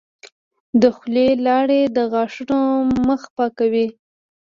د خولې لاړې د غاښونو مخ پاکوي.